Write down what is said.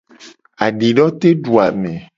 Adidoteduame.